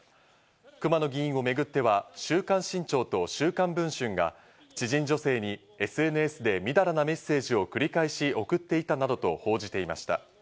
熊野議員をめぐっては『週刊新潮』と『週刊文春』が知人女性にＳＮＳでみだらなメッセージを繰り返し送っていたなどと報じていました。